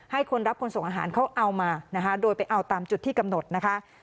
คนรับคนส่งอาหารเขาเอามานะคะโดยไปเอาตามจุดที่กำหนดนะคะ